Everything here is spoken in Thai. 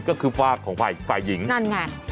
ก็คือฝากของฝ่ายฝ่ายหญิงนั่นไง